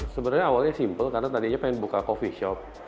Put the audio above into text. sebenarnya awalnya simpel karena tadinya pengen buka coffee shop